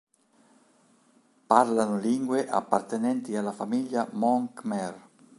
Parlano lingue appartenenti alla famiglia mon khmer.